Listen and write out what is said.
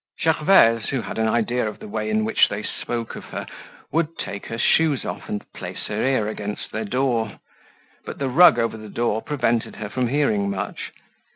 Gervaise, who had an idea of the way in which they spoke of her, would take her shoes off, and place her ear against their door; but the rug over the door prevented her from hearing much.